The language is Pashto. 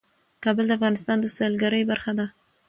کابل د افغانستان د سیلګرۍ برخه ده.